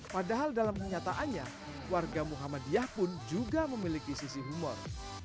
padahal dalam kenyataannya warga muhammadiyah pun juga memiliki sisi humor